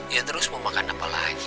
ya terus mau makan apa lagi